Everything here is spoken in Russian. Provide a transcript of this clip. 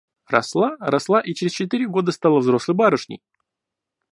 Росла, росла и через четыре года стала взрослой барышней.